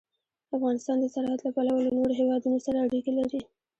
افغانستان د زراعت له پلوه له نورو هېوادونو سره اړیکې لري.